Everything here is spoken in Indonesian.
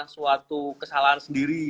suatu kesalahan sendiri